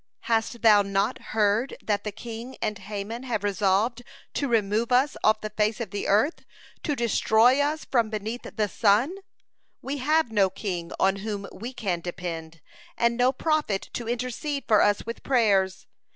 Hast thou not heard that the king and Haman have resolved to remove us off the face of the earth, to destroy us from beneath the sun? We have no king on whom we can depend, and no prophet to intercede for us with prayers.